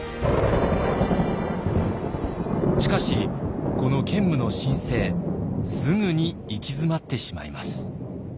しかしこの建武の新政すぐに行き詰まってしまいます。